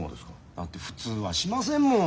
だって普通はしませんもん。